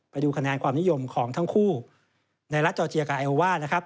ไปดูคะแนนความนิยมของทั้งคู่ในรัฐจอร์เจียกับไอโอว่านะครับ